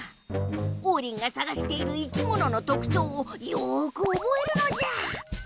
オウリンがさがしているいきもののとくちょうをよくおぼえるのじゃ。